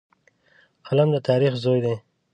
قلم د تاریخ زوی دی